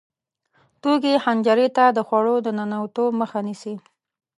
توکې حنجرې ته د خوړو د ننوتو مخه نیسي.